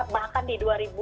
bahkan di dua ribu